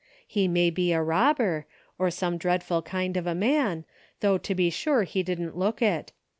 He may be a robber, or some dreadful kind of a man, though to be sure he didn't look it.